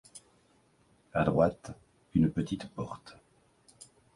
À droite, une petite porte.